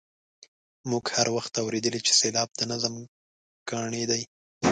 موږ هر وخت اورېدلي چې سېلاب د نظم کاڼی دی.